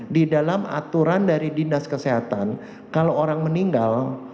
di dalam aturan dari dinas kesehatan kalau orang meninggal